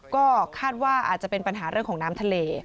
ก็คาดว่าอาจจะเป็นปัญหาเรื่องของน้ำทะเล